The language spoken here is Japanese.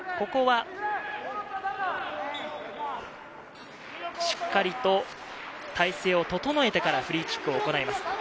ここはしっかりと体勢を整えてから、フリーキックを行います。